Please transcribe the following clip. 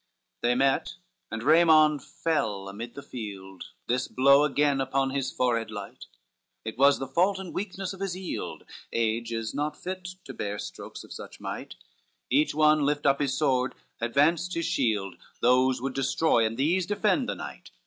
LXXX They met, and Raymond fell amid the field, This blow again upon his forehead light, It was the fault and weakness of his eild, Age is not fit to bear strokes of such might, Each one lift up his sword, advanced his shield, Those would destroy, and these defend the knight.